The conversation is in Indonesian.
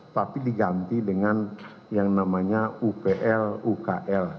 tapi diganti dengan yang namanya upl ukl